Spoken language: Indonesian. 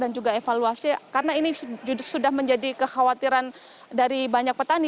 dan juga evaluasi karena ini sudah menjadi kekhawatiran dari banyak petani